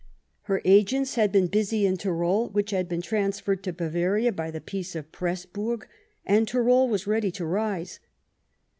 Her agents had been busy in Tirol, which had been transferred to Bavaria by the Peace of Pressburg, and Tirol was ready to rise.